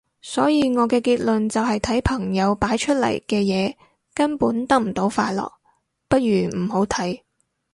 所以我嘅結論就係睇朋友擺出嚟嘅嘢根本得唔到快樂，不如唔好睇